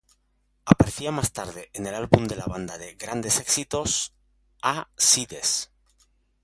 Aparecería más tarde en el álbum de la banda de Grandes Éxitos, "A-Sides".